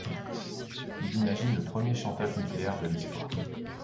Il imagine le premier chantage nucléaire de l'histoire.